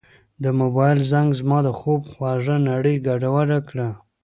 د موبایل زنګ زما د خوب خوږه نړۍ ګډوډه کړه.